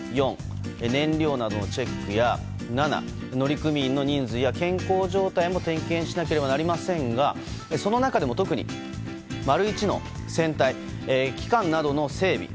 ４、燃料などのチェックや７、乗組員の人数や健康状態も点検しなければなりませんがその中でも特に１の船体・機関などの整備。